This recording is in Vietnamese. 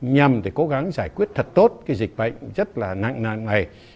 nhằm để cố gắng giải quyết thật tốt cái dịch bệnh rất là nặng nạn này